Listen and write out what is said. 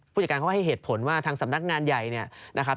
ผู้จัดการเขาให้เหตุผลว่าทางสำนักงานใหญ่เนี่ยนะครับ